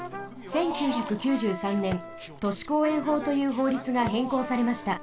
１９９３ねん都市公園法という法律がへんこうされました。